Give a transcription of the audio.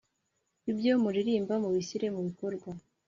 Ibyo muririmba mubishyire mu bikorwa